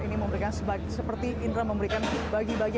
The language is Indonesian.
ini memberikan seperti indra memberikan bagi bagi